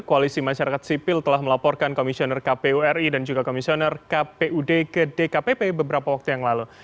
koalisi masyarakat sipil telah melaporkan komisioner kpu ri dan juga komisioner kpud ke dkpp beberapa waktu yang lalu